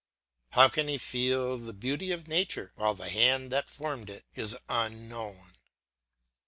How can he feel the beauty of nature, while the hand that formed it is unknown?